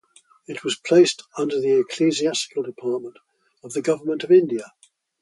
It was placed under the Ecclesiastical Department of the Government of India.